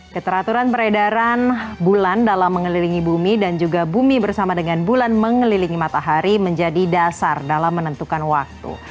keteraturan peredaran bulan dalam mengelilingi bumi dan juga bumi bersama dengan bulan mengelilingi matahari menjadi dasar dalam menentukan waktu